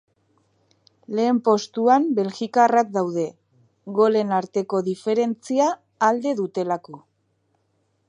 Lehen postuan belgikarrak daude, golen arteko diferentzia alde dutelako.